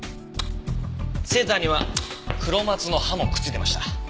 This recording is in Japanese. セーターにはクロマツの葉もくっついていました。